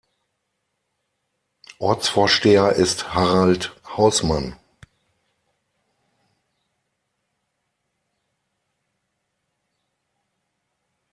Ortsvorsteher ist Harald Hausmann.